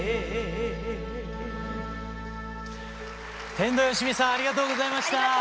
天童よしみさんありがとうございました。